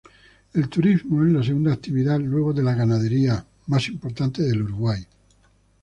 El turismo es la segunda actividad luego de la ganadería más importante del Uruguay.